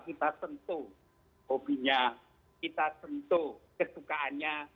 kita sentuh hobinya kita sentuh kesukaannya